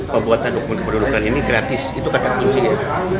pembuatan dokumen kependudukan ini gratis itu kata kunci ya